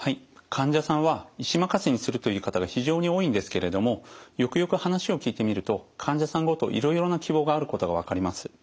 患者さんは医師任せにするという方が非常に多いんですけれどもよくよく話を聞いてみると患者さんごといろいろな希望があることが分かります。